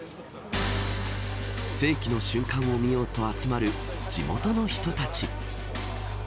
世紀の瞬間を見ようと集まる地元の人たち。